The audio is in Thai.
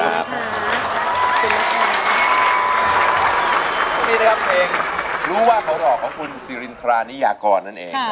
นี่นะครับเพลงรู้ว่าเขาหลอกของคุณสิรินทรานิยากรนั่นเอง